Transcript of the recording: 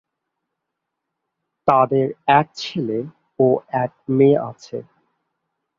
তাদের এক ছেলে ও এক মেয়ে আছে।